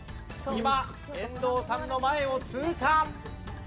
今遠藤さんの前を通過。